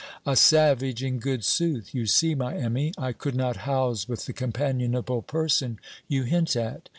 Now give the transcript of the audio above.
A savage in good sooth! You see, my Emmy, I could not house with the "companionable person" you hint at.